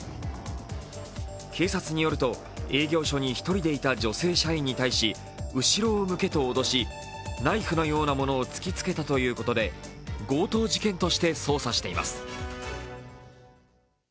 警察によると、営業所に１人でいた女性社員に対し後ろを向けと脅しナイフのようなものを突きつけたということで、強盗事件として捜査しています。